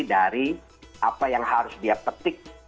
dari apa yang harus dia petik